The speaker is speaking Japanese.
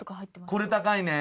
これ高いね。